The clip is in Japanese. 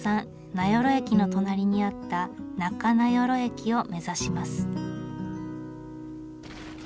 名寄駅の隣にあった中名寄駅を目指します。